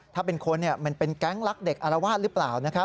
ถ้าเป็นคนมันเป็นแก๊งรักเด็กอารวาสหรือเปล่า